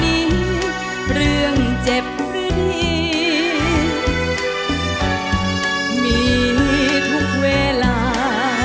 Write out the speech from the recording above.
มีเรื่องเจ็บหรือมีทุกเวลา